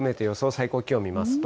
最高気温見ますと。